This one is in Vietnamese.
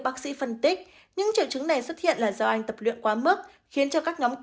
bác sĩ phân tích những triệu chứng này xuất hiện là do anh tập luyện quá mức khiến cho các nhóm